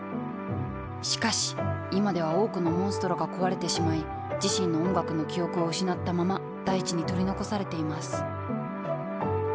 しかし今では多くのモンストロが壊れてしまい自身の音楽の記憶を失ったまま大地に取り残されています。